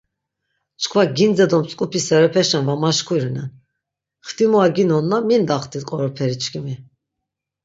Çkva gindze do mtzk̆upi serepeşen va maşkurinen, xtimua ginonna mindaxti qoroperi çkimi.